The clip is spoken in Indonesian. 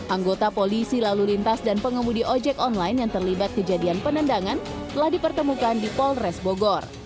anggota polisi lalu lintas dan pengemudi ojek online yang terlibat kejadian penendangan telah dipertemukan di polres bogor